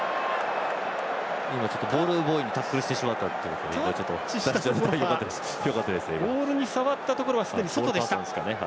今、ボールボーイにタックルしてしまってボールに触ったところですでに外でした。